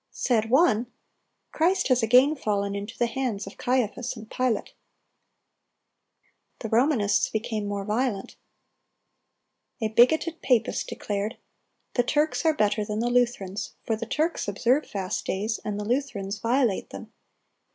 Said one, "Christ has again fallen into the hands of Caiaphas and Pilate." The Romanists became more violent. A bigoted papist declared: "The Turks are better than the Lutherans; for the Turks observe fast days, and the Lutherans violate them.